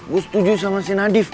gue setuju sama si nadif